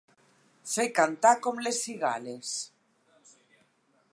Fer cantar com les cigales.